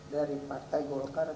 dari partai golkar